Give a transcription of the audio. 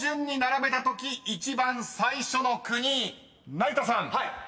［成田さん］